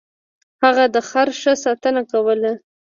هغه د خر ښه ساتنه کوله.